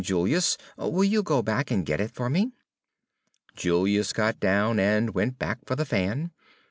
Julius, will you go back and get it for me?" Julius got down and went back for the fan.